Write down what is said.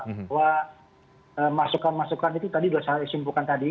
bahwa masukan masukan itu tadi sudah saya simpulkan tadi